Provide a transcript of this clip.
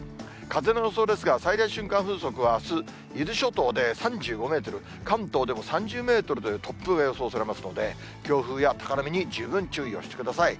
風の予想ですが、最大瞬間風速はあす、伊豆諸島で３５メートル、関東でも３０メートルという突風が予想されますので、強風や高波に十分注意をしてください。